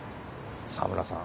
澤村さん